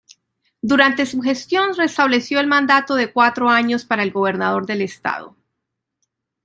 Durante su gestión restableció el mandato de cuatro años para el gobernador del estado.